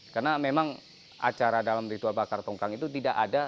karena memang acara dalam ritual bakar tongkang itu tidak ada